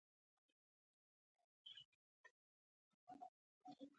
نه نه ايڅوک راسره نه و.